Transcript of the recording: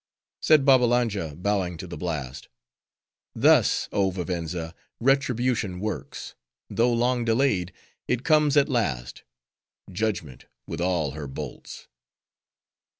Said Babbalanja, bowing to the blast: "Thus, oh Vivenza! retribution works! Though long delayed, it comes at last—Judgment, with all her bolts."